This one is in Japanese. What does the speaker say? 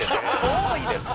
多いです！